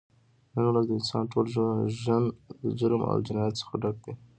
نن ورځ د انسان ټول ژون د جرم او جنایت څخه ډک دی